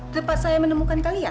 tempat saya menemukan kalian